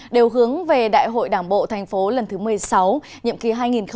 đều hướng về đại hội đảng bộ thành phố lần thứ một mươi sáu nhiệm kỳ hai nghìn hai mươi hai nghìn hai mươi năm